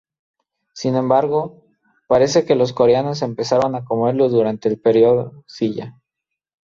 Sin embargo, parece que los coreanos empezaron a comerlo durante el periodo Silla.